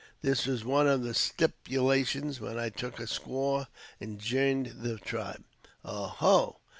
This was one of the stip'lations when I took a squaw and jined the tribe." "Oh ho!